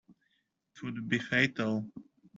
It would be fatal.